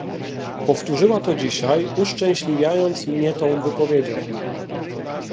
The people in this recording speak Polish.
Powtórzyła to dzisiaj, uszczęśliwiając mnie tą wypowiedzią